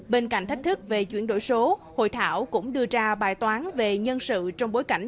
bên cạnh thách thức về chuyển đổi số hội thảo cũng đưa ra bài toán về nhân sự trong bối cảnh